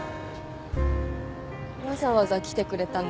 わざわざ来てくれたんだ？